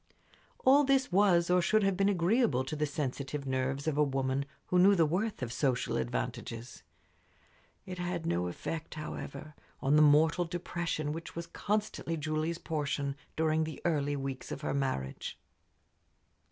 All this was or should have been agreeable to the sensitive nerves of a woman who knew the worth of social advantages. It had no effect, however, on the mortal depression which was constantly Julie's portion during the early weeks of her marriage.